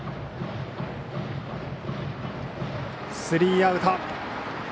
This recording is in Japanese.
スリーアウト。